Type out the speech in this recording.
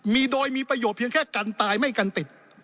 มีโดยมีประโยชนเพียงแค่กันตายไม่กันติด